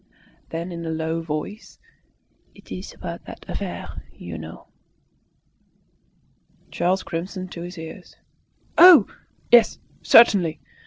Then in a low voice, "It's about that affair you know." Charles crimsoned to his ears. "Oh, yes! certainly."